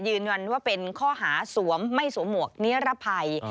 ยืนวันว่าเป็นข้อหาสวมไม่สวมวกเนี้ยระภัย